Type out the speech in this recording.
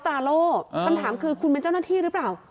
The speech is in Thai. ตาโลกปัญหาถือคุณเพื่อเจ้าหน้าที่หรือเปล่า